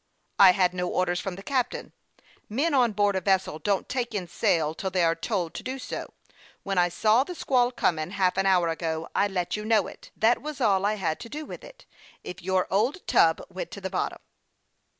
" I had no orders from the captain. Men on board a vessel don't take in sail till they are told to do so. When I saw the squall coming, half an hour ago, I let you know it ; that was all I had to do with it, if your old tub went to the bottom."